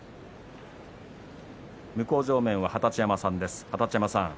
向正面は二十山さんです。